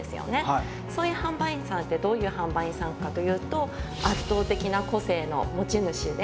そういう販売員さんってどういう販売員さんかというと圧倒的な個性の持ち主で。